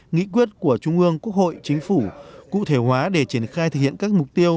nghị quyết của trung ương quốc hội chính phủ cụ thể hóa để triển khai thực hiện các mục tiêu